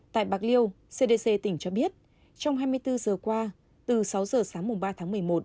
tại bạc liêu cdc tỉnh cho biết trong hai mươi bốn giờ qua từ sáu giờ sáng mùng ba tháng một mươi một